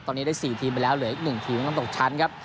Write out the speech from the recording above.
ตอนนี้ได้๔ทีมไปแล้วเหลืออีก๑ทีมต้องตกชั้นครับ